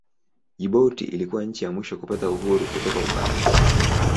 Jibuti ilikuwa nchi ya mwisho kupata uhuru kutoka Ufaransa.